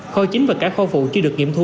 kho chính và cả kho phụ chưa được nghiệm thu